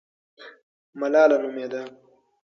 ملاله نومېده.